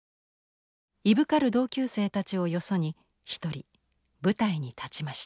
いぶかる同級生たちをよそに一人舞台に立ちました。